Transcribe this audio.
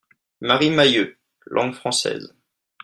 Marie Mahieu (langue française).